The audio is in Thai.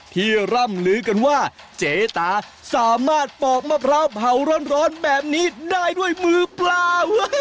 ร่ำลือกันว่าเจ๊ตาสามารถปอกมะพร้าวเผาร้อนแบบนี้ได้ด้วยมือเปล่า